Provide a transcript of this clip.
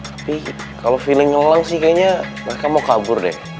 tapi kalau feeling ngelang sih kayaknya mereka mau kabur deh